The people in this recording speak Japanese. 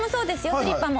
スリッパも。